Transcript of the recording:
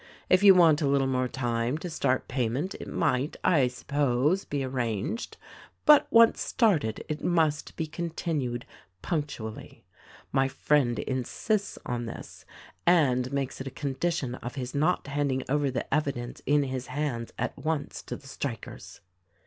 If you want a little more time to start payment it might, I suppose, be arranged ; but once started it must be continued punctual ly. My friend insists on this and makes it a condition of his not handing over the evidence in his hands at once to the strikers.